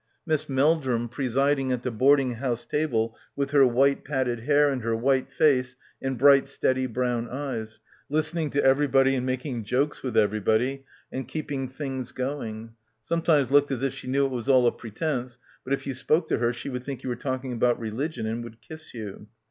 Miss Meldrum presiding at the boarding house table with her white padded hair and her white face and bright steady brown eyes, listening to everybody and making jokes with everybody and keeping things going, sometimes looked as if she knew it was all a pretence, but if you spoke to her she would think you were talking about re ligion and would kiss you.